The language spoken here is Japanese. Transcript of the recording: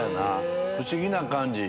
不思議な感じ。